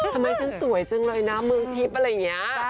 ทำไมฉันสวยจังเลยนะเมืองทิพย์อะไรอย่างนี้